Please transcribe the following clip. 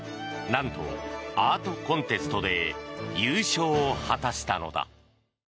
なんと、アートコンテストで優勝を果たしたのだ。